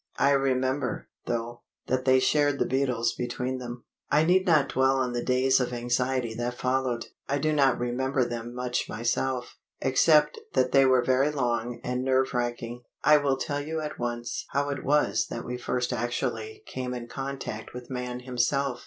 I remember, though, that they shared the beetles between them. I need not dwell on the days of anxiety that followed. I do not remember them much myself, except that they were very long and nerve racking. I will tell you at once how it was that we first actually came in contact with man himself.